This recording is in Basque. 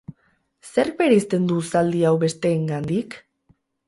Zerk bereizten du zaldi hau besteengandik?